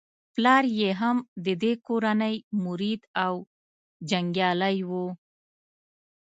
پلار یې هم د دې کورنۍ مرید او جنګیالی وو.